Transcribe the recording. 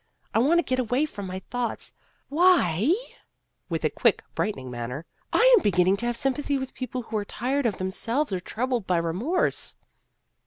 I want to get away from my thoughts. Why e e !" with a quick brightening of manner, " I am beginning to have sympathy with people who are tired of themselves or troubled by remorse."